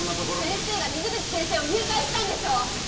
先生が水口先生を誘拐したんでしょ！